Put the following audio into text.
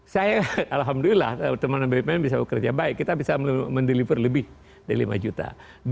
saya alhamdulillah teman teman bpn bisa bekerja baik kita bisa mendeliver lebih dari lima juta